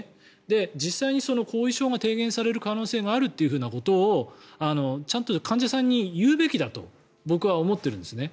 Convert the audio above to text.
実際に後遺症が低減される可能性があるというふうなことをちゃんと患者さんに言うべきだと僕は思ってるんです。